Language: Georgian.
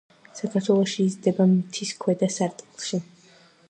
საქართველოში იზრდება მთის ქვედა სარტყელში.